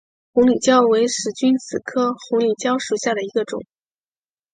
红里蕉为使君子科红里蕉属下的一个种。